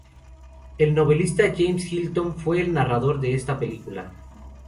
El novelista James Hilton fue el narrador de esta película.